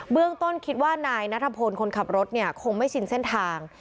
เรื่องต้นคิดว่านายนัทพลคนขับรถเนี่ยคงไม่ชินเส้นทาง